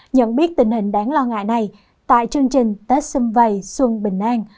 nhận biết tình hình đáng lo ngại này tại chương trình tết xuân vầy xuân bình an